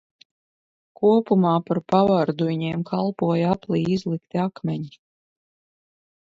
Kopumā par pavardu viņiem kalpoja aplī izlikti akmeņi.